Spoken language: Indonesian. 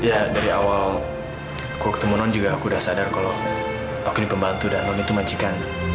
ya dari awal aku ketemu non juga aku udah sadar kalau aku ini pembantu dan non itu majikan